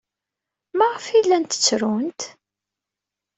Maɣef ay llant ttrunt?